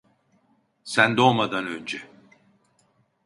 Sen doğmadan önce.